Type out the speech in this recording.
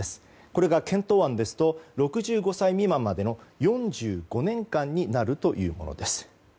これが検討案ですと６５歳未満までの４５年間になるということです。